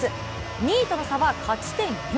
２位との差は勝ち点４。